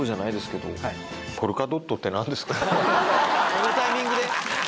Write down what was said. このタイミングで？